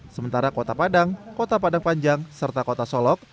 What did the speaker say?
sementara kota padang kota padang panjang serta kota solok